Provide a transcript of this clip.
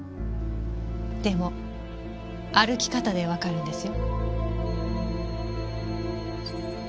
でも歩き方でわかるんですよ。